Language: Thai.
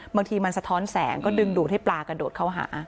บางทีมันสะท้อนแสงก็ดึงดูดให้ปลากระโดดเข้าหา